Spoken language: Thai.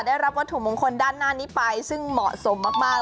ได้รับวัตถุมงคลด้านหน้านี้ไปซึ่งเหมาะสมมาก